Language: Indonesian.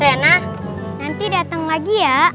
lena nanti datang lagi ya